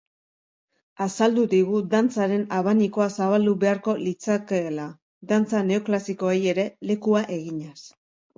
Azaldu digu dantzaren abanikoa zabaldu beharko litzakeela, dantza neoklasikoei ere lekua eginez.